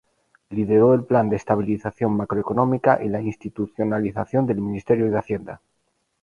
Lideró el plan de estabilización macroeconómica y la institucionalización del Ministerio de Hacienda.